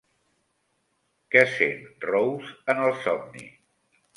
Què sent Rose en el somni?